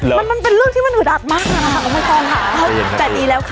เออมันเป็นเรื่องที่มันอึดอัดมากนะคะโมโหมากค่ะ